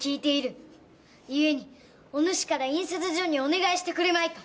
ゆえにおぬしから印刷所にお願いしてくれまいか？